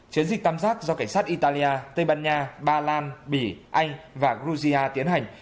chiến dịch tamzak do cảnh sát italia tây ban nha ba lan bỉ anh và georgia tiến hành